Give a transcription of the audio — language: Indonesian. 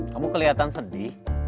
kamu kelihatan sedih